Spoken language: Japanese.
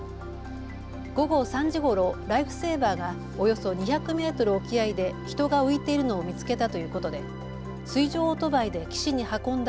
午後３時ごろ、ライフセーバーがおよそ２００メートル沖合で人が浮いているのを見つけたということで水上オートバイで岸に運んだ